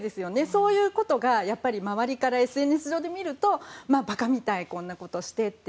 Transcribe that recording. そういうことが周りからＳＮＳ上で見ると馬鹿みたいこんなことしてって。